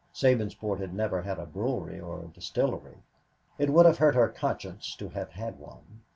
Sabinsport had never had a brewery or a distillery. It would have hurt her conscience to have had one.